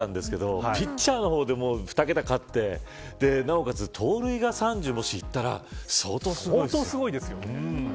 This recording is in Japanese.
トリプルスリーですごいって言ってたんですけどピッチャーの方でも２桁勝ってなおかつ、盗塁が３０もしいったら相当すごいですよね。